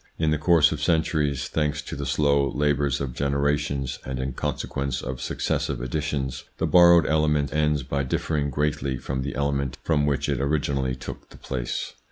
In the course of centuries, thanks to the slow labours of generations and in consequence of successive additions, the borrowed element ends by differing greatly from the element of which it originally took the place.